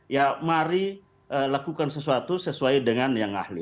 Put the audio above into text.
ya mari lakukan sesuatu sesuai dengan yang ahli